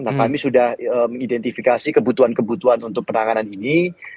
nah kami sudah mengidentifikasi kebutuhan kebutuhan untuk penanganan ini